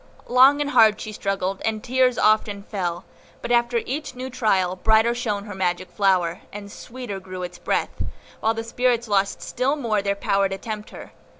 Long and hard she struggled, and tears often fell; but after each new trial, brighter shone her magic flower, and sweeter grew its breath, while the spirits lost still more their power to tempt her.